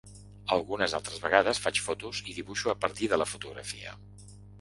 Algunes altres vegades faig fotos i dibuixo a partir de la fotografia.